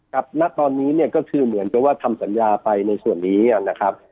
ณตอนนี้เนี่ยก็คือเหมือนกับว่าทำสัญญาไปในส่วนนี้นะครับ